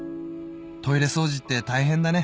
「トイレ掃除って大変だね」